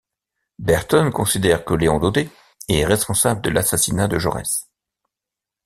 Berton considère que Léon Daudet est responsable de l'assassinat de Jaurès.